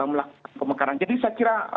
melakukan pemekaran jadi saya kira